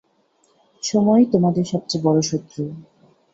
সময়ই তোমাদের সবচেয়ে বড়ো শত্রু।